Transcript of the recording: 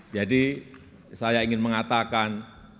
jadi saya ingin mengatakan